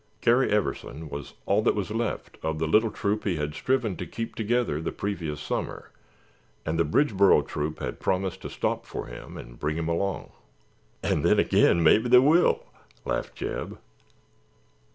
Garry Everson was all that was left of the little troop he had striven to keep together the previous summer and the Bridgeboro troop had promised to stop for him and bring him along. "An' then agin, mebbe they will," laughed Jeb.